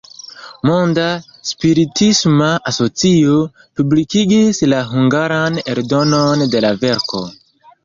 Monda Spiritisma Asocio publikigis la hungaran eldonon de la verko.